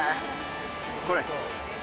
これ。